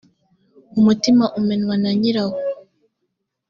umutima umenywa nanyirawo.